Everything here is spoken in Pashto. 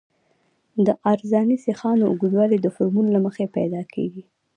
د عرضاني سیخانو اوږدوالی د فورمول له مخې پیدا کیږي